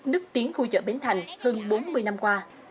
nức tiếng khu chợ bến thành hơn bốn mươi năm qua